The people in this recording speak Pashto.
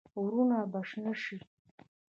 غرونه به شنه شي.